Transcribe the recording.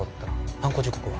犯行時刻は？